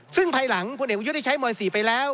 ซึ่งภายหลังพลเอกประยุทธ์ได้ใช้ม๔ไปแล้ว